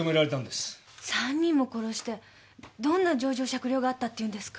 ３人も殺してどんな情状酌量があったっていうんですか？